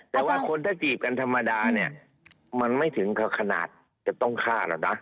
แต่ว่าคนถ้าจีบกันธรรมดาเนี่ยมันไม่ถึงขนาดจะต้องฆ่าหรอกนะ